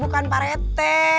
bukan pak rete